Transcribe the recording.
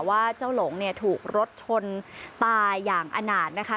ว่าเจ้าหลงเนี่ยถูกรถชนตายอย่างอนาจนะคะ